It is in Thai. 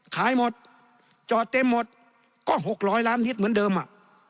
ขายหมดจอดเต็มหมดก็๖๐๐ล้านลิตรเหมือนเดิมอ่ะ